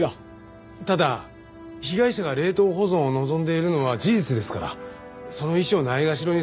ただ被害者が冷凍保存を望んでいるのは事実ですからその意思をないがしろにするのは。